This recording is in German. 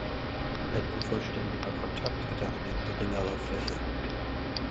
Ein unvollständiger Kontakt hätte eine geringere Fläche.